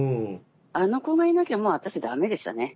あの子がいなきゃもう私駄目でしたね。